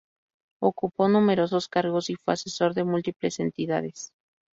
Ocupó numerosos cargos y fue asesor de múltiples entidades.